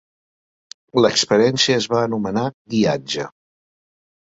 L'experiència es va anomenar guiatge.